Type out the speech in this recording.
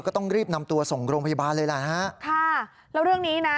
ก็ต้องรีบนำตัวส่งโรงพยาบาลเลยแหละนะฮะค่ะแล้วเรื่องนี้นะ